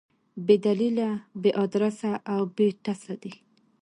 بې دلیله، بې ادرسه او بې ټسه دي.